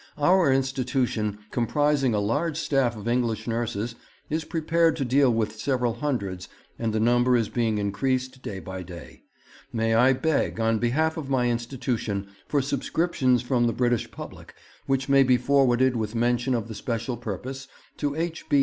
'Our institution, comprising a large staff of English nurses, is prepared to deal with several hundreds, and the number is being increased day by day. May I beg, on behalf of my institution, for subscriptions from the British public, which may be forwarded with mention of the special purpose, to H.B.